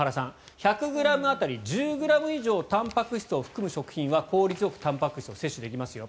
１００ｇ当たり１０ｇ以上たんぱく質を含む食品は効率よくたんぱく質を摂取できますよ